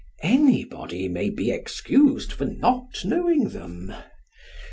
Anybody may be excused for not knowing them.